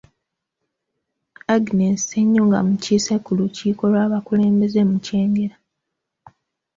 Agness Ssennoga mukiise ku lukiiko lw’abakulembeze mu Kyengera.